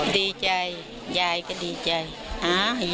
ดีใจยายก็ดีใจ